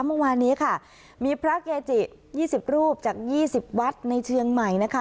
เมื่อวานนี้ค่ะมีพระเกจิ๒๐รูปจาก๒๐วัดในเชียงใหม่นะคะ